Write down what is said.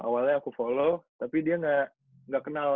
awalnya aku follow tapi dia nggak kenal